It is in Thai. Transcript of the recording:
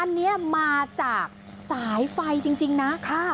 อันนี้มาจากสายไฟจริงนะ